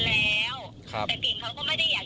จะมีคนที่สามไหมมันไม่ใช่